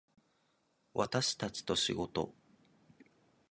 私たちと仕事